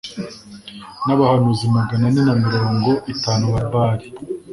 n'abahanuzi magana ane na mirongo itanu ba Baali.